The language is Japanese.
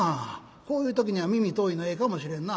こういう時には耳遠いのええかもしれんな。